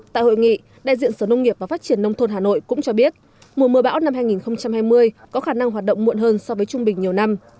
tại hội nghị đại diện sở nông nghiệp và phát triển nông thôn hà nội cũng cho biết mùa mưa bão năm hai nghìn hai mươi có khả năng hoạt động muộn hơn so với trung bình nhiều năm